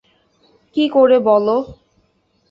কী করে বলো?